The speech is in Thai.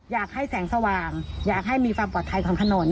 อยากให้แสงสว่างอยากให้มีความปลอดภัยของถนน